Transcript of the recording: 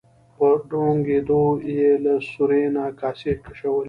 په ډونګیدو یې له سوري نه کاسې کشولې.